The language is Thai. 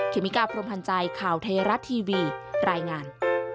เมกาพรมพันธ์ใจข่าวไทยรัฐทีวีรายงาน